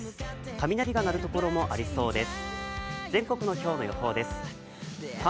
雷が鳴る所もありそうです。